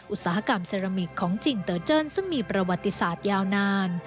อุตสาหกรรมเซรามิกของจิงเตอร์เจิ้นซึ่งมีประวัติศาสตร์ยาวนาน